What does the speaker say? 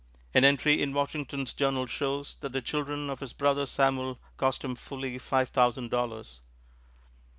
An entry in Washington's journal shows that the children of his brother Samuel cost him fully five thousand dollars.